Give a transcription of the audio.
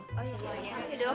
terima kasih do